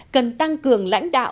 cần tăng cường lãnh đạo